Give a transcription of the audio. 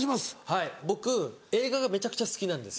はい僕映画がめちゃくちゃ好きなんですよ。